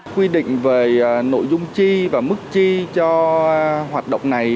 quy định về nội dung chi và mức chi cho hoạt động này